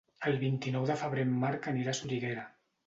El vint-i-nou de febrer en Marc anirà a Soriguera.